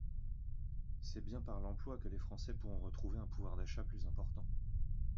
C’est bien par l’emploi que les Français pourront retrouver un pouvoir d’achat plus important.